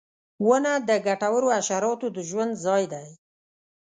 • ونه د ګټورو حشراتو د ژوند ځای دی.